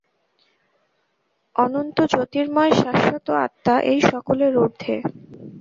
অনন্ত জ্যোতির্ময় শাশ্বত আত্মা এই সকলের ঊর্ধ্বে।